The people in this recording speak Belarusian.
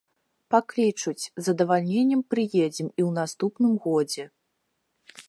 Паклічуць, з задавальненнем прыедзем і ў наступным годзе.